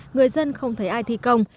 người dân không thấy ai thi công